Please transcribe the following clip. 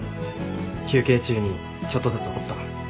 休憩中にちょっとずつ彫った。